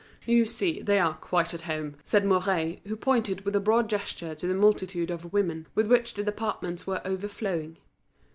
"You see they are quite at home," said Mouret, who pointed with a broad gesture to the multitude of women with which the departments were overflowing.